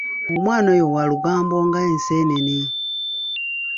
Omwana oyo wa lugambo nga Enseenene.